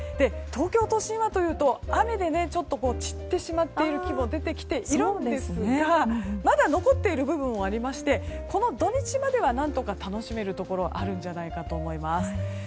東京都心はというと雨でちょっと散ってしまっている木も出てきているんですがまだ残っている部分もありましてこの土日までは何とか楽しめるところあるんじゃないかと思います。